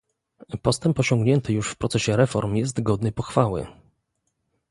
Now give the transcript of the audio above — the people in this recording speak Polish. Postęp osiągnięty już w procesie reform jest godny pochwały